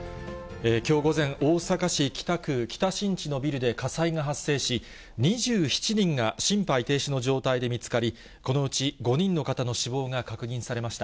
きょう午前、大阪市北区北新地のビルで火災が発生し、２７人が心肺停止の状態で見つかり、このうち５人の方の死亡が確認されました。